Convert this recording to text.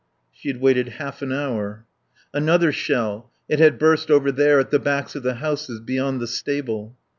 She had waited half an hour. Another shell. It had burst over there at the backs of the houses, beyond the stable.